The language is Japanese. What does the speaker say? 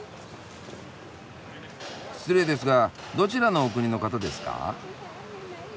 失礼ですがどちらのお国の方ですか？